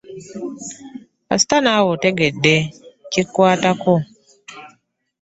Kasita naawe otegedde kikukwatako.